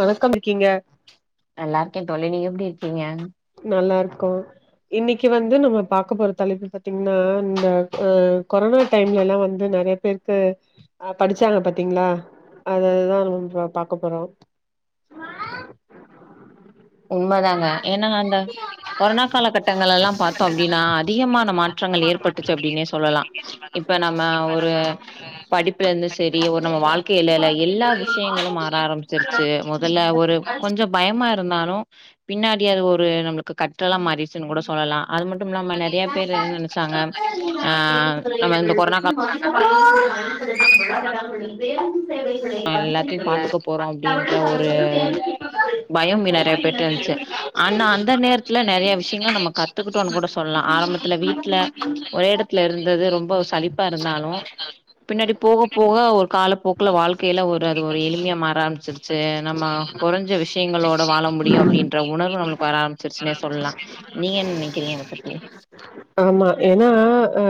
வணக்கம் ருக்கீங்க நல்லா இருக்கேன் தோழி நீங்க எப்படி இருக்கீங்க நல்லா இருக்கோ இன்னைக்கு வந்து நம்ம பாக்க போற தலைப்பு பாத்தீங்கன்னா இந்த கொரோனா டைம்ல எல்லாம் வந்து நறைய பேருக்கு ஆ படிச்சாங்க பாத்தீங்களா அது அதுதான் நம் பாக்க போறோம் உண்மைதாங்க [unintelligible] கொரோனா கால கட்டங்கள் எல்லாம் பார்த்தோம் அப்படின்னா அதிகமான மாற்றங்கள் ஏற்பட்டுச்சு அப்படின்னே சொல்லலாம் இப்ப இப்ப நம்ம ஒரு படிப்புல இருந்து சரி ஒரு நம்ம வாழ்க்க இல எல்லா விஷயங்களும் ஆற ஆரம்பிச்சிருச்சு முதல்ல ஒரு கொஞ்சம் பயமா [unintelligible] இருந்தாலும் பின்னாடி அது ஒரு நம்மளுக்கு கற்றலாம் மாறிடுச்சுன்னு கூட சொ சொல்லலா அது மட்டும் இல்லாம நறைய பேர் என்ன நினைச்சாங்க ஆ நம்ம இந்த கொரோனா கால எல்லாத்தையு [unintelligible] பாத்துக்க போறோ அப்டின்ற ஒரு பயம் நெறைய பேர்ட்ட [unintelligible] இருந்துச்சு ஆனா அந்த நேரத்துல நெறைய விஷயங்க நம்ம கத்துக்க ட்டோன்னு கூட சொல்லலா ஆரம்பத்துல வீட்ல ஒரே இடத்துல இருந்தது ரொம்ப சளிப்பா இருந்தாலு பின்னாடி போக போக ஒரு காலப்போக்குல வாழ்க் கீல ஒரு அது ஒரு எளிமைய ஆரம்பிச்சிருச்சு நம்ம கொறைஞ்ச விஷயங்களோட வாழ முடியும் அப்படின்ற உண் உணர்வு நம்மளுக்கு வர ஆரம்பிச்சிருச்சுன்னே சொல்லா நீ ஆமா ஏன்னா அ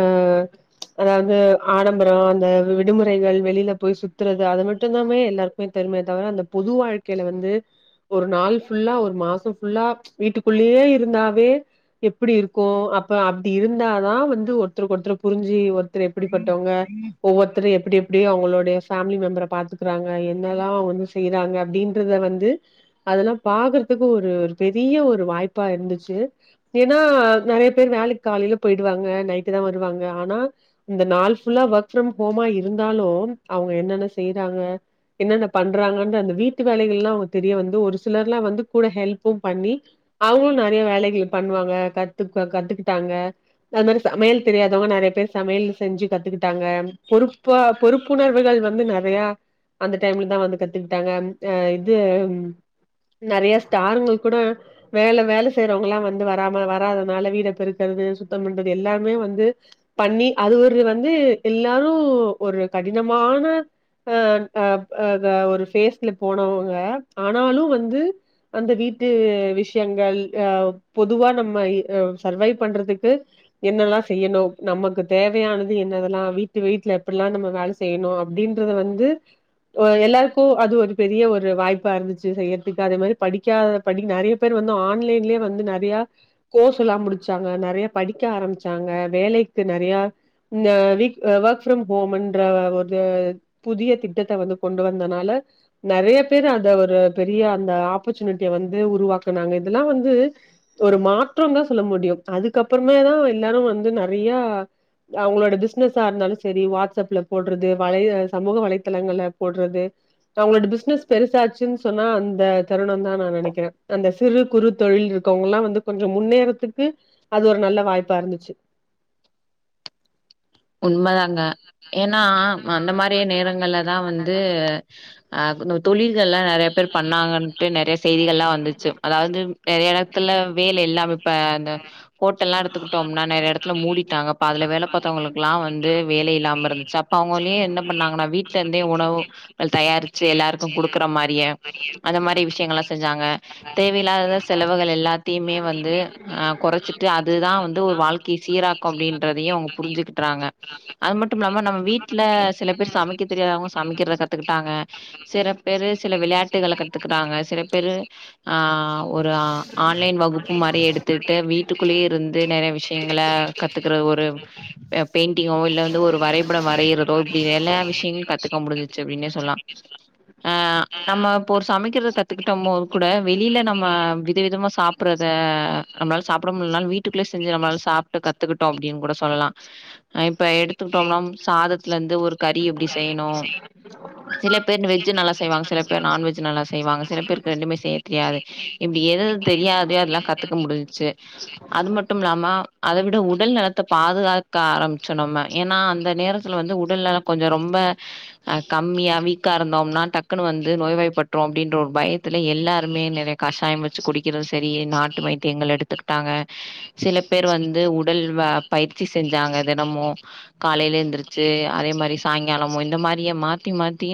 அதாவது ஆடம்பரம் அந்த விடுமுறைகள் வெளியில போய் சுத்துறது அது மட்டுதாமே எல்லாருக் பெருமையை தவிர அந்த பொது வாழ்க்கையில வந்து ஒரு நாள் ஃபுல்லா ஒரு மாசம் ஃபுல்லா வீட்டுக்குள்ளயே இருந்தாவே எப்படி இருக்கும் அப்ப அப்படி இருந்தாதான் வந்து ஒருத்தருக்கு ஒருத்தரு புரிஞ்சு ஒருத்தர் எப்படிப்பட்டவங்க அ ஒவ்வொருத்தரும் எப்படி எப்படி அவங்களுடைய பேமிலி மெம்பரை பாத்துக்கறாங்க என்னதான் வந்து செய்யறாங்க அப்படின்றத வந்து அதெல்லா பாக்குறதுக்கு ஒரு பெரிய ஒரு வாய்ப்பா இருந்துச்சு [unintelligible] ஏன்னா நெறைய பேர் வேலைக்கு காலையில போயிடுவாங்க நைட்டு தான் வருவாங்க ஆனா இந்த நாள் ஃபுல்லா ஒர்க் ஃப்ரம் ஹோமா இருந்தாலும் அவங்க என்னென்ன செய்றாங்க என்னன்ன பண்றாங்கன்ற அந்த வீட்டு வேலைகள்ல்லாம் அவங்க தெரிய வந்து ஒரு சிலர் எல்லாம் வந்து கூட ஹெல்ப்பும் பண்ணி அவங்களு நெறைய வேலைகள் பண்ணுவாங்க கத்து கத்துக்கிட்டாங்க அது மாரி சமையல் தெரியாதவங்க நெறைய பேர் சமையல் செஞ்சு கத்துக் ட்டாங்க பொறுப்பா பொறுப்புணர்வுகள் வந்து நெறைய அந்த டைம்ல தான் வந்து கத்துக்கிட்டாங்க அ இது நறைய ஸ்டாருங்க கூட வேலை வேலை வேல செய்யறவங்கல்லாம் வந்து வராம வராதனால வீட பெருக்கிறது சுத்தம் பண்றது எல்லாமே வந்து பண்ணி அது ஒரு வந்து எல்லாரு ஒரு கடினமான அ அ அ ஒரு பேஃஸ்ல போனவங்க ஆனாலும் வந்து அந்த வீட்டு விஷயங்கள் அ பொதுவா நம்ம இ வ் சர்வைவ் பண்றதுக்கு என்னெல்லா செய்யணும் நமக்கு தேவையானது என்னது அதெல்லா வீட்டு வீட்டுல எப்படிலாம் நம்ம வேல செய்யணும் அப்படின்றத வந்து ஒ எல்லாருக்கும் அது ஒரு பெரிய ஒரு வாய்ப்பா இருந்துச்சு செய்யறதுக்கு அதே மாரி படிக்காத படி நெறைய பேர் வந்து ஆன்லைன்லேயே வந்து நறைய ப்பிய கோர்ஸ் எல்லாம் முடிச்சாங்க நெறைய படிக்க ஆரம்பிச்சாங்க வேலைக்கு நெறைய ந் ஆ வீ ஒர்க் ஃப்ரம் ஹோம்ன்ற ஒரு புதிய திட்டத்த வந்து கொண்டு வந்தனால ஆ நெறைய பேர் அத ஒரு பெரிய அந்த ஆப்பர்ச்சுனிட்டிய வந்து உருவாக்குனாங்க இதெல்லா வந்து இது ஒரு மாற்றம் தா சொல்ல முடியு அதுக்கப்புறோமா தா எல்லாரு வந்து நெறைய அவங்களோட பிசினஸா இருந்தாலு சரி வாட்ஸ்அப்ல போடுறது வலை சமூக வலைதளங்களல போடுறது அவங்களோட பிசினஸ் பெருசாச்சுன்னு சொன்னா அந்த தருணோ தா நா நேனைக்கிறே அந்த சிறு குறு தொழில் இருக் இருக்கவங்கல்லா வந்து கொஞ்சு முன்னேறத்துக்கு அது ஒரு நல்ல வாய்ப்பா இருந்துச்சு [inaudible] உண்ம தாங்க ஏன்னா அந்த மாரி நேரங்கள்ல தா வந்து ஆ தொழில்கள்லா நெறைய பேர் பண்ணாங்கண்டு நெறையா செய்திகள்லா வந்துச்சு அதாவது நெறைய எடத்துல வேலையில்லாம இப்ப அ ஹோட்டல்ல எடுத்துக்கிட்டோம்னா நெறைய எடத்துல மூடிட்டாங்கப்ப அதுல வேல பாத்தவங்களுக் க்லா வந்து வேல இல்லாம இருந்துச்சா அப்ப அவங்களயே என்ன பண்ணாங்கன்னா வீட்டுல இருந்தே உணவு தயாரித் யாரிச்சு எல்லாருக்கு குடுக்குற மாரியு அந்த மாரி விஷயங்கள்ல்லா செஞ்சாங்க தேவையில்லாத செலவுகள் எல்லாத்தையுமே வந்து அ கொறைச்சிட்டு அதுதா வந்து ஒரு வாழ்க்கையை சீராக்கும் அப்படின்றதையு அவங்க புரிஞ்சுக் ட்ராங்க அது மட்டும் இல்லாம நம்ம வீட்டுல சில பேர் சமைக்க தெரியாதவங்க சமைக்கிறத கத்துக்கிட்டாங்க சில பேரு சில விளையாட்டுகளை கத்துக்கறாங்க சில பேரு ஆ ஒரு ஆன்லைன் வகுப்பு மாரியே எடுத்துட்டு வீட்டுக்குள்ளேயே இருந்து நெறைய விஷயங்கள கத்துக்குற ஒரு பெயிண்டிங்கோ இல்ல வந்து ஒரு வரைபடம் வரைய இதோ இப்டி எல்லா விஷயங்களும் கத்துக்க முடிஞ்சிச்சு அப்டின்னே சொல்லலா ஆ நம்ம இப்போ ஒரு சமைக்கிறத கத்துக்கிட்டோம் போது கூட வெளியில நம்ம வித விதமா சாப்பிடுறது அத நம்மளால சாப்பிட முடியிலனாலு வீட்டுக்குள்ளே செஞ்சு நம்ளால சாப்புட்டு கத்துக்கிட்டோம் அப்டின்னு கூட சொல்லலா இப்ப எடுத்துக்கிட்டோம்னா சாதத்துல இருந்து ஒரு கறி எப்டி செய்யணு சில பேர் வெஜ் நல்லா செய்வாங்க சில பேர் நாண்வெஜ் நல்லா செய்வாங்க சில பேருக்கு ரெண்டுமே செய்ய தெரியாது இப்டி எது எது தெரியாதோ அதெல்லாம் கத்துக்க முடிஞ்சச்சு அது மட்டும் இல்லாம அத விட உடல் நலத்த பாதுகாக் காக ஆரம்பிச்சோ நம்ம ஏன்னா அந்த நேரத்துல வந்து உடல்நலம் கொஞ்சோ ரொம்ப அ கம்மியா வீக் கா இருந்தோம்னா டக்குனு வந்து நோய்வாய்ப்பற்று அப்டின்ற ஒரு பயத்தில எல்லாருமே நெறைய கஷாயம் வெச்சு குடிக்கிறது சரி நாட்டு வைத்தியங்கள் எடுத்துக்குட்டாங்க சில பேர் வந்து உடல் பயிற்சி செஞ்சாங்க தினமு காலையில எந்துருச்சு அதே மாரி சாய்ங்காலமு இந்த மாரியே மாத்தி மாத்தி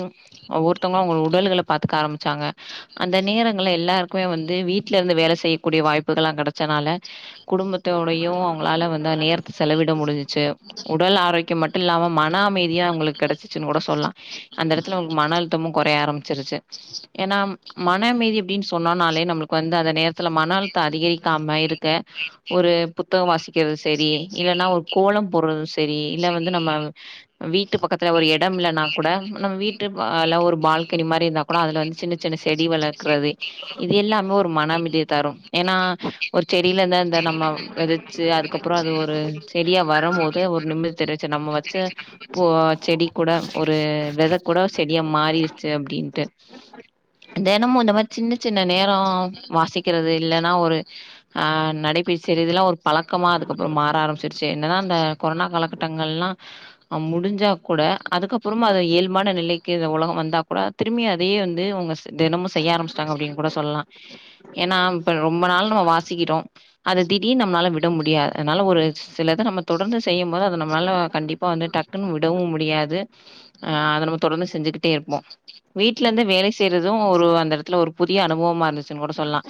ஒவ்வொருத்தவுங்களு அவுங்க உடல்கள பாத்துக்க ஆரம்பிச்சாங்க அந்த நேரங்கல எல்லாருக்குமே வந்து வீட்டுல இருந்து வேல செய்யக்கூடிய வாய்ப்புகள் எல்லா கெடச்சனால குடும்பத்தோடயு அவங்களால வந்து நேரத்த செலவிட முடிஞ்சிச்சு உடல் ஆரோக்கியம் மட்டு இல்லாம மன அமைதியா அவுங்களுக்கு கெடைச்சுச்சுனு கூட சொல்லா அந்த எடத்துல உங்களுக்கு மன அழுத்தமு கொறைய ஆரம்பிச்சிருச்சு ஏனா மன அமைதி அப்டின்னு சொன்னனாலே நம்முளுக்கு வந்து அந்த நேரத்தில மன அழுத்தம் அதிகரிக்காம இருக்க ஒரு புத்தகம் வாசிக்கிறது சரி இல்லன்னா ஒரு கோலம் போடுறது சரி இல்ல வந்து நம்ம வீட்டுப் பக்கத்துல ஒரு இடம் இல்லன்னா கூட நம்ம வீட்டு பால ஒரு பால்கனி மாரி இருந்தா கூட அதுல வந்து சின்ன சின்ன செடி வளக்குறது இது எல்லாமே ஒரு மனம் அமைதியை தரும் ஏனா ஒரு செடியில இருந்து நம்ம விதைச்சு அதுக்கப்புறோ ஒரு ஒரு செடியா வரம் போது ஒரு நிம்மதி தெரிஞ்சு நம்ம வச்சு போ செடி கூட ஒரு வெத கூட செடியா மாறிடுச்சு அப்டின்ட்டு தெனமு இந்த மாரி சின்ன சின்ன நேரோ வாசிக்கிறது இல்லன்னா ஒரு நடை பயிற்ச்சி இதெல்லா ஒரு பழக்கமா அதுக்கப்புறோ மாறி ஆரம்பிச்சிருச்சு என்ன தா அந்த கொரோனா காலக்கட்டங்கள் எல்லா முடிஞ்சா கூட அதுக்கப்புறமு அது இயல்பான நிலைக்கு ஒலகோ வந்தா கூட திரும்பி அதேயே வந்து அவுங்க ச தெனமு செய்ய ஆரம்பச்சிட்டாங்க அப்டின்னு கூட சொல்லலா ஏனா இப்ப ரொம்ப நாள் நம்ம வாசிக்கிறோ அத திடீர்னு நம்மளால விட முடியாது அதனால ஒரு சிலது நம்ம தொடர்ந்து செய்யு போது ‌ அத நம்மாலால கண்டிப்பா வந்து டக்குன்னு விடவு முடியாது ஆ அத நம்ம தொடர்ந்து செஞ்சுகிட்டே இருப்போ வீட்ல இருந்து வேல செய்யிறது ஒரு அந்த இடத்துல ஒரு புதிய அனுபவமா இருந்துச்சுன்னுக் கூட சொல்லலா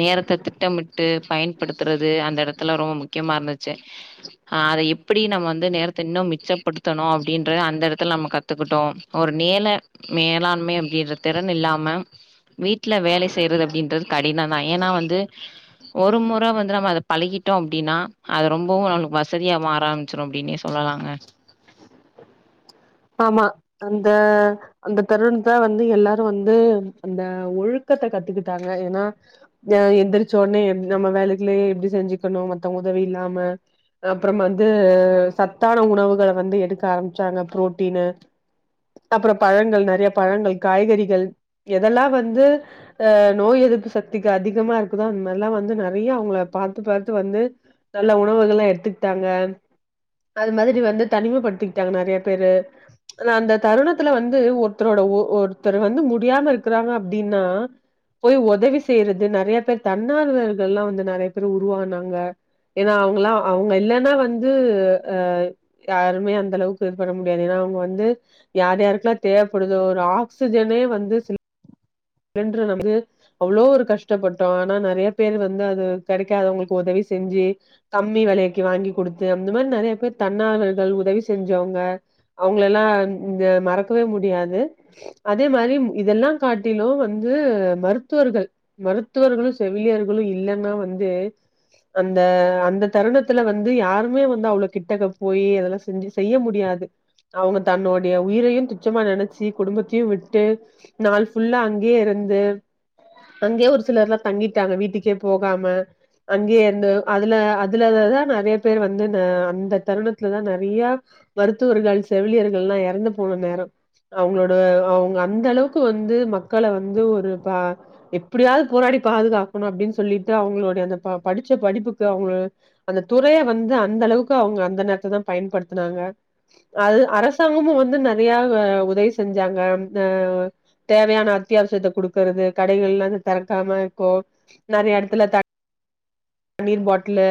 நேரத்த திட்டமிட்டு பயன்படுத்துறது அந்த எடத்துல ரொம்போ முக்கியமாக இருந்துச்சு [unintelligible] ஆ அத எப்டி நம்ம வந்து நேரத்த இன்னு மிச்சப்படுத்தணு அப்டின்றத அந்த எடத்துல நம்ம கத்துக்கிட்டோ ஒரு வேல மேலாண்மை அப்டின்ற திறன் இல்லாம வீட்ல வேலை செய்யிறது அப்டின்றது கடின தா ஏனா வந்து ஒரு முற வந்து நம்ம அத ‌பழகிட்டோ அப்டின்னா அவ ரொம்பவு நம்முளுக்கு வசதியா மாற ஆரம்பிச்சிரு அப்டின்னே சொல்லலாங்க ஆமா அந்த அந்த தருணத்தா வந்து எல்லாரு வந்து அந்த ஒழுக்க த கத்துக்கிட்டாங்க ஏனா எந்திரிச்ச ஒனே நம்ம வேலைகலயே எப்டி செஞ்சுக்கணு மத்த [unintelligible] இல்லாம அப்றம் வந்து சத்தான உணவுகள வந்து எடுக்க ஆரம்பிச்சாங்க ப்ரோட் டினு அப்றோ பழங்கள் நறையா பழங்கள் காய்கறிகள் எதெல்லா வந்து அ நோய் எது எதிர்ப்பு சக்திக்கு அதிகமா இருக்குதோ அந்த மாரிலா வந்து நறையா அவுங்கள பாத்து பாத்து வந்து நல்ல உணவுகள்லா எடுத்துக்கிட்டாங்க ‌அது மாரி வந்து தனிமைப்படுத்திக்கிட்டாங்க நறைய பேரு அந்த தருணத்துல வந்து ஒருத்தரோட ஒ ஒருத்தர் வந்து முடியாம இருக்குறாங்கனா அப்டின்னா போய் ஒதவி செய்யிறது நறையா பேர் தன்னார்வர்கள் எல்லா வந்து நறையா பேர் உருவானாங்க ஏனா அவுங்கலா ‌ அவுங்க இல்லன்னா வந்து அ யாருமே அந்த அளவுக்கு இது பண்ண முடியாது ஏனா வந்து யார் யாருக்குலா தேவைப்படுதோ ஒரு ஆக்சிஜனே வந்து சி சிலின்டர் வந்து அவ்ளோ ஒரு கஷ்டப்பட்டோ ஆனா நறைய பேர் வந்து அது கெடைக்காத அவுங்களுக்கு ஒதவி செஞ்சு கம்மி வெலைக்கு வாங்கிக் குடுத்து அந்த மாரி நறைய பேர் தன்னார்ல்கள் உதவி செஞ்சவங்க அவுங்களல்லா இந்த மறக்கவே முடியாது அதே மாரி இதெல்லா காட் த்திலு வந்து மருத்துவர்கள் மருத்துவர்களு செவிலியர்களு இல்லன்னா வந்து அந்த அந்த தருணத்துல வந்து யாருமே வந்து அவ்ள கிட்டக போயி அதெல்லா செஞ்சு செய்ய முடியாது அவங்க தன்னுடைய உயிரையு துச்சமா நெனைச்சி குடும்பத்தையு விட்டு நாள் ஃபுல்லா அங்கேயே இருந்து அங்கேயே ஒரு சிலர்ல்லா தங்கிட்டாங்க வீட்டுக்கே போகாம அங்கயே இருந்த அதுல அதுல தா நெறைய பேர் வந்து அந்த தருணத்துலதா நெறையா மருத்துவர்கள் செவிலியர்கள்ல்லா எறந்து போன நேர அவங்களோட அவங்க அந்த அளவுக்கு வந் து மக்கள வந்து ஒரு எப்டியாவது போராடி பாதுகாக்கணு அப்படின்னு சொல்லிட்டு அவங்களுடைய அந்த ப படிச்ச படிப்புக்கு அவங்க அந்த துறைய வந்து அந்தளவுக்கு அவங்க அந்த நேரத்தை தா பயன்படுடுத்தினாங்க அது அரசாங்கமு வந்து நெறையா உதவி செஞ்சாங்க அ தேவையான அத்தியாவசியத்தை குடுக்குறது கடைகள்லா தெறக்காம இருக்கு நெறைய எடத்துல த அ [inaudible] தண்ணீர் பாட்லு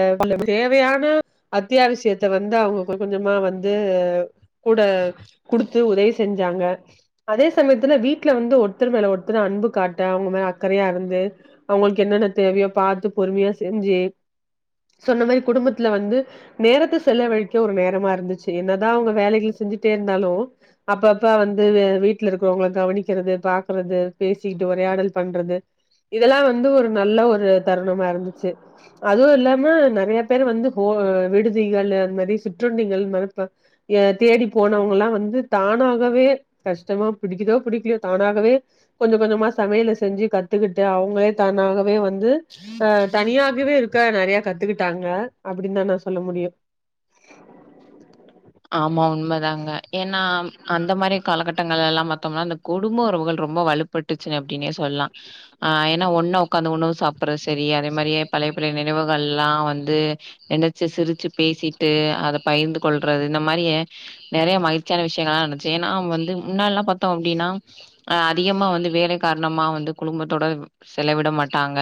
தேவையான அத்தியாவசியத்த வந்து அவங்க கொஞ்சமா வந்து கூட குடுத்து உதவி செஞ்சாங்க அதே சமயத்துல வீட் ட்ல வந்து ஒருத்தர் மேல ஒருத்தர் அன்பு காட்ட அவங்க மேல அக்கறையா இருந்து அவங்களுக்கு என்னென்ன தேவையோ பாத்து பொறுமியா செஞ்சு சொன்ன மாரி குடும்பத்துல வந்து நேரத்தை செலவழிக்க ஒரு நேரமா இருந்துச்சு என்னதா அவங்க வேலைகள் செஞ்சிட்டே இருந்தாலு அப்பப்ப வந்து வீட்டுல இருக்கிறவங்கள கவனிக் க்கிறது பாக்குறது பேசிக்கிட்டு உரையாடல் பண்றது இதெல்லா வந்து ஒரு நல்ல ஒரு தருணமா இருந்துச்சு அதுவு இல்லாம நெறைய பேரு வந்து போ அ விடுதிகள் அந்த மாரி சுற்றண்டிகள் தேடி போனவங்கல்லா வந்து தானா கவே கஷ்டமா பிடிக்குதோ பிடிக்கலயோ தானாகவே கொஞ்ச கொஞ்சமா சமையல செஞ்சு கத்துக்கிட்டு அவங்களே தானாகவே வந்து அ தனியாகவே இருக்க நெறையா கத்துக்கிட்டாங்க அப்டின்னு தா நா சொல்ல முடியு [inaudible] ஆமா உண்மைதாங்க ஏன்னா அந்த மாரி காலகட்டங்கல்லா பாத்தோம்ன்னா அ குடும்ப உறவுகள் ரொம்ப வலுப்பட்டுச்சு அப்டினே சொல்லலா ஆ ஏன்னா ஒண்ண உக்காந்து உணவு சாப்பற சரி ஏ அதே மாரி பழையபழைய நினைவுகள்லா வந்து நினைச்ச சிரிச்சு பேசிட்டு அத பயிர்ந்து ற இந்த மாரி நெறைய மகிழ்ச்சியான விஷயங்கள்ளா நடன்ச்சு ஏன்னா வந்து முன்னள்லா பாத்தோ அப்டின்னா அ அதிகமா வந்து வேலை காரணமா வந்து குடும்பத்தோட செலவிட மாட்டாங்க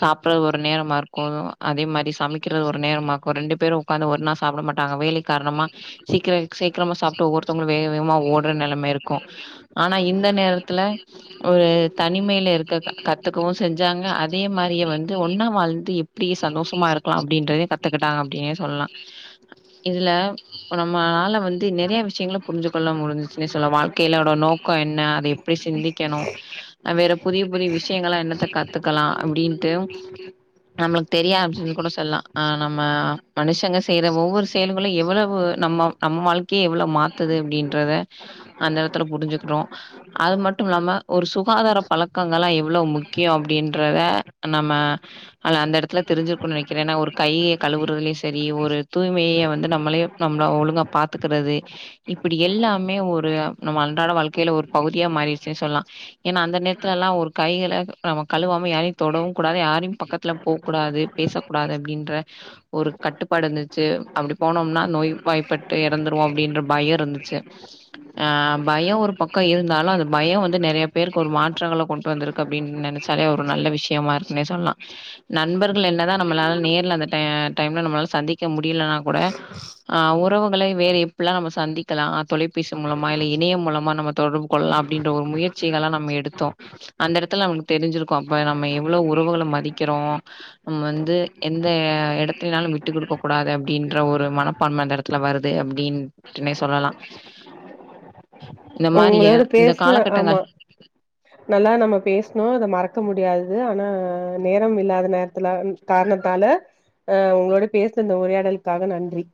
சாப்பறது ஒரு நேரமா இருக்கு அதே மா றி சமைக்கிறது ஒரு நேரமா ரெண்டு பேரு உக்காந்து ஒரு நாள் சாப்பிட மாட்டாங்க வேலை காரணமா சீக்கிர சீக்கிரமா சாப்ட்டு ஒவ்வொருத்தவங்களும் வேக வேகமா ஓடுற நிலைமை இருக்கும் ஆனா இந்த இந்த நேரத்துல ஒரு தனிமில இருக்க கத்துக்கவும் செஞ்சாங்க அது அதே மாரிய வந்து ஒன்னா வாழ்ந்து எப்படி சந்தோஷமா இருக்கலா அப்படின்றதே கத்துக்கிட்டாங்க அப்படின்னே சொல்லலா [inaudible] இதுல நம்மளால வந்து நறைய விஷயங்க புரிஞ்சு கொள்ள முடிஞ்சச்சுன்னே சொல்ல வாழ்க்கையிலட நோக்கம் என்ன அதை எப்படி சிந்திக்கணும் வேற புதிய புதிய விஷயங்கள என்னத்த கத்துக்கலா அப்படின்ட்டு நம்மளுக்கு தெரியா ஆரமிச்சு கூட சொல்லலா ஆ நம்ம மனுஷங்க செய்யற ஒவ்வொரு செயல்களை எவ்வளவு நம் நம்ம வாழ்க்கைய எவ்வளவு மாத்தது அப்படின்றத அந்த எடத்துல புரிஞ்சுக்கிறோ அது மட்டும் இல்லாம ஒரு சுகாதார பழக்கங்கள்ல்லா எவ்வளவு முக்கியம் அப்படின்றத நம்ம ஆன அந்த எடத்துல தெரிஞ்சிருக்கன்னு நினைக்கிறேன்ன்னா ஒரு கையை கழுவுறதுலையும் சரி ஒரு தூய்மைய வந்து நம்மளே நம்ம ஒழுங்க பாத்துக்கிறது இப்படி எல்லாமே ஒரு நம்ம அன்றாட வாழ்க்கையில ஒரு பகுதியா மாறிடுச்சு சொல்லா ஏன்னா அந்த நேரத்தில்ல்ல ஒரு கைகளை நம்ம கழுவாம யார்யும் தொடவும் கூடா அத யாரையும் பக்கத்துல போக் கூடாது பேச கூடாது அப்படின்ற ஒரு கட்டுப்பாடு இருந்துச்சு அப்படி போனோம்னா நோய் வாய்ப்பட்டு இறந்துருவோம் அப்படின்ற பயம் இருந்துச்சு ஆ பயம் ஒரு பக்கம் இருந்தாலும் அந்த பயம் வந்து நறைய பேருக்கு ஒரு மாற்றங்களை கொண்டு வந்திருக்கு அப்படின்னு நினைச் ஒரு நல்ல விஷயமா இருக்குன்னே சொல்லலா நண்பர்கள் என்னதான் நம்ளால நேர் அந்த டைம்ல நம்ம சந்திக்க முடியல [unintelligible] கூட ஆ உறவுகளை வேற எப்பல்லா நம்ம சந்திக்கலா தொலைபேசி மூலமா இல்ல இணையம் மூலமா நம்ம நம்ம தொடர்பு கொள்ளலா அப்டின்ற ஒரு முயற்சிகல்லா நம்ம எடுத்தோ அந்த எடத்துல நமக்கு தெரிஞ்சிருக்கு அப்ப நம்ம எவ்ளவு உறவுகளை மதிக்கிறோ நம்ம வந்து எந்த எடத்துலனாலு விட்டு குடுக்க கூடாது அப் அப்டின்ற ஒரு மனப்பான்மை அந்த எடத்துல வருது அப்டின்ட்டுனே சொல்லலா உங்களோட பேசன ஆமா நல்லா நம்ம பேசுனோ அத மறக்க முடியாது ஆனா நேரம் இல்லாத நேரத்துல காரணத்தால அ உங்களோட பேசுன இந்த உரையாடலுக்காக நன்றி